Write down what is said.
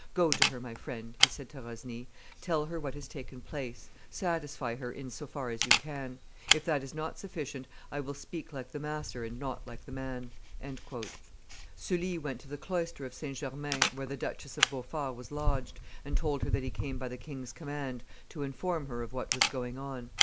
Go to her, my friend," he said to Rosny; "tell her what has taken place; satisfy her in so far as you can. If that is not sufficient, I will speak like the master, and not like the man." Sully went to the cloister of St. Germain, where the Duchess of Beaufort was lodged, and told her that he came by the king's command to inform her of what was going on.